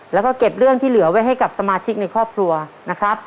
แล้วก็เก็บเรื่องที่เหลือไว้ให้กับสมาชิกในครอบครัวนะครับ